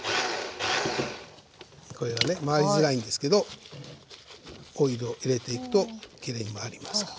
これがね回りづらいんですけどオイルを入れていくときれいに回りますから。